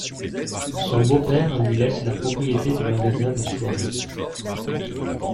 Son beau-père lui laisse la propriété du magasin de soieries.